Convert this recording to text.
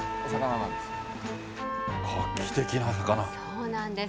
そうなんです。